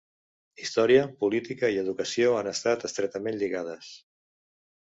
Història, política i educació han estat estretament lligades.